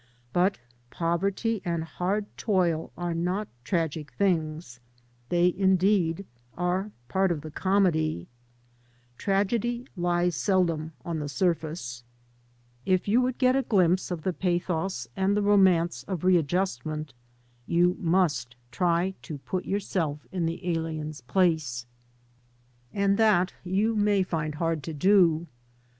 But poverty and hard toil are not tragic things. They indeed are part of the comedy. Tragedy 1 the surface. If you would get a glimpse 9 and the romance of readjustment you ut yourself in the alien's place. And that INTRODUCTION you may find hard to do.